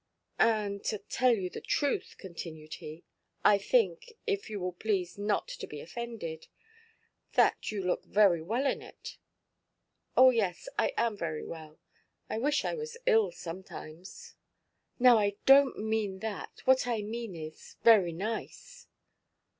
"And, to tell you the truth," continued he, "I think, if you will please not to be offended, that you look very well in it." "Oh yes, I am very well. I wish I was ill, sometimes." "Now, I donʼt mean that. What I mean is, very nice."